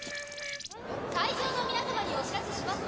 会場の皆さまにお知らせします。